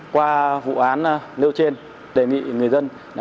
qua vụ án nêu trên đề nghị người dân